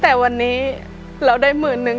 แต่วันนี้เราได้หมื่นนึง